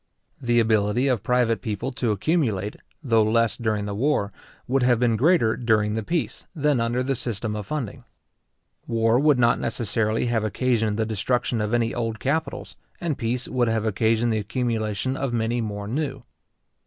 The ability of private people to accumulate, though less during the war, would have been greater during the peace, than under the system of funding. War would not necessarily have occasioned the destruction of any old capitals, and peace would have occasioned the accumulation of many more new.